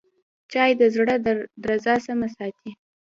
چای د زړه درزا سمه ساتي